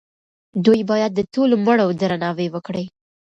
دوی باید د ټولو مړو درناوی وکړي.